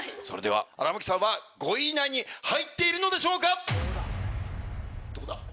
荒牧さんは５位以内に入っているのでしょうか？